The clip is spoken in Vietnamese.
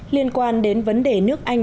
liên quan đến vấn đề nước anh